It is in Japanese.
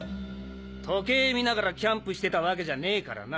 時計見ながらキャンプしてたわけじゃねえからな！